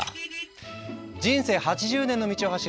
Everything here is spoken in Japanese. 人生８０年の道を走る１台の車。